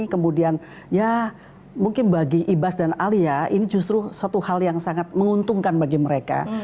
kemudian ya mungkin bagi ibas dan alia ini justru suatu hal yang sangat menguntungkan bagi mereka